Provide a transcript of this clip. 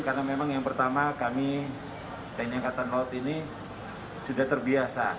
karena memang yang pertama kami tni angkatan laut ini sudah terbiasa